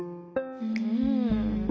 うん。